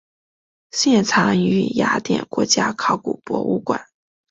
现藏于雅典国家考古博物馆。